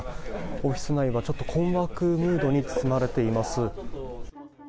オフィス内は困惑ムードに包まれています。